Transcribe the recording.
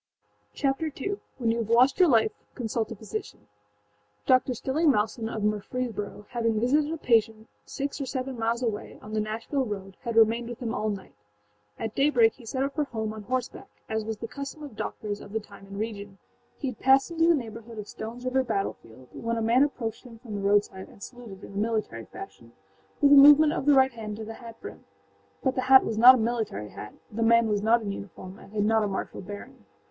Chapter II: When You Have Lost Your Life Consult a Physician[edit] Dr. Stilling Malson, of Murfreesboro, having visited a patient six or seven miles away, on the Nashville road, had remained with him all night. At daybreak he set out for home on horse back, as was the custom of doctors of the time and region. He had passed into the neighborhood of Stoneâs River battlefield when a man approached him from the roadside and saluted in the military fashion, with a movement of the right hand to the hat brim. But the hat was not a military hat, the man was not in uniform and had not a martial bearing.